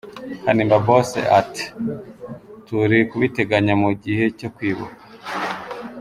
Kanimba Boss ati “ Turi kubiteganya mu gihe cyo kwibuka.